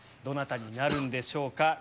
どなたになるんでしょうか？